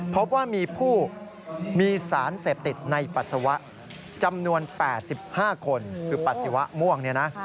พบว่ามีผู้มีสารเสพติดในปัสสาวะจำนวน๘๕คนคือปัสสาวะม่วงเนี่ยนะ